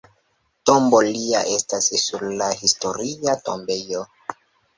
Tombo lia estas sur la Historia tombejo.